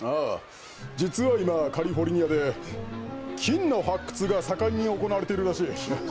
実は今、カリフォルニアで金の発掘が盛んに行われているらしい。